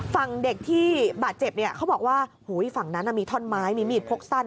ฝั่งเด็กที่บาดเจ็บเนี่ยเขาบอกว่าฝั่งนั้นมีท่อนไม้มีมีดพกสั้น